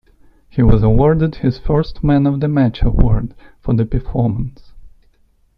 He was awarded his first man of the match award for the performance.